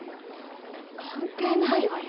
関係ないわよ